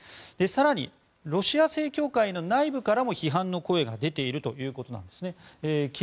更に、ロシア正教会の内部からも批判の声が出ているということなんですね。